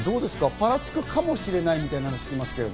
パラつくかもしれないみたいな話ですけど。